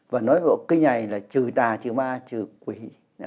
và nói về bộ kinh này là trừ tà trừ ma trừ quỷ